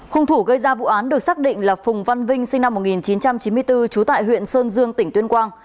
hung thủ gây ra vụ án được xác định là phùng văn vinh sinh năm một nghìn chín trăm chín mươi bốn trú tại huyện sơn dương tỉnh tuyên quang